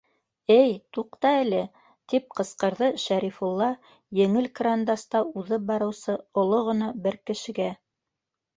- Эй, туҡта әле, - тип ҡысҡырҙы Шәрифулла еңел кырандаста уҙып барыусы оло ғына бер кешегә.